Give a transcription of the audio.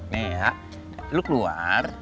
nih ya lo keluar